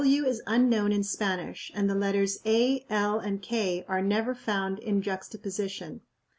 "W" is unknown in Spanish and the letters "a," "l," and "k" are never found in juxtaposition.